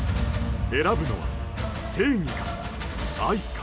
選ぶのは正義か、愛か。